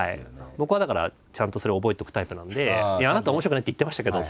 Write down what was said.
僕はだからちゃんとそれを覚えておくタイプなので「あなた面白くないって言ってましたけど」